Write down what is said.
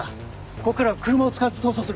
ここからは車を使わず逃走する。